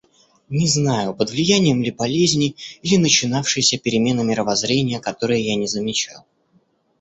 Не знаю, под влиянием ли болезни, или начинавшейся перемены мировоззрения, которой я не замечал.